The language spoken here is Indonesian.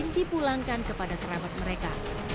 dipulangkan kepada teramat mereka